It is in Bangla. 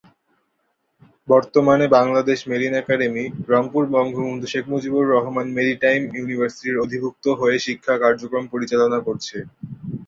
বর্তমানে Bangladesh marine academy, Rangpur Bangabandhu Sheikh Mujibur Rahman maritime ইউনিভার্সিটির অধিভুক্ত হয়ে শিক্ষা কার্যক্রম পরিচালনা করছে।